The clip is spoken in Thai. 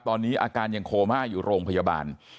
ตอนนี้อาการยังโคม่าอยู่โรงพยาบาล